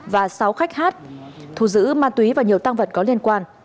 và sáu khách hát thù giữ ma túy và nhiều tăng vật có liên quan